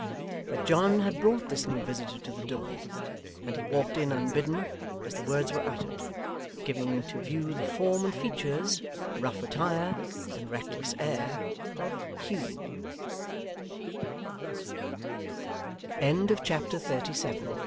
But John had brought this new visitor to the door, and he walked in unbidden, as the words were uttered; giving to view the form and features, rough attire, and reckless air, of